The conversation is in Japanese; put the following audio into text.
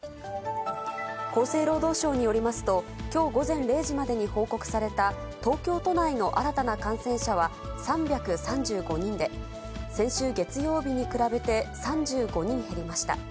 厚生労働省によりますと、きょう午前０時までに報告された東京都内の新たな感染者は３３５人で、先週月曜日に比べて、３５人減りました。